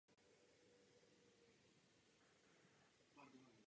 Vybojoval zlatou olympijskou medaili.